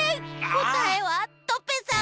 こたえはトペさん。